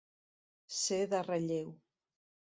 Ser de relleu.